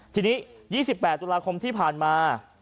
ทีนี้๒๘ตุลาคมที่ผ่านมา